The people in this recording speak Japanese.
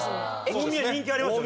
大宮人気ありますよね？